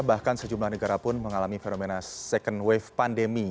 bahkan sejumlah negara pun mengalami fenomena second wave pandemi